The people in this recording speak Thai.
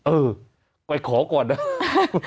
เออไปขอก่อนนะ